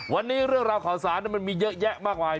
วันนี้เรื่องราวข่าวสารมันมีเยอะแยะมากมาย